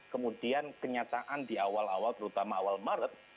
kemudian kenyataan di awal awal terutama awal maret